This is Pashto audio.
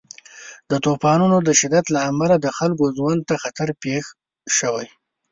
د طوفانونو د شدت له امله د خلکو ژوند ته خطر پېښ شوی.